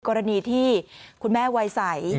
คือกรณีที่คุณแม่ไหวไส